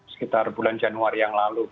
sekitar bulan januari yang lalu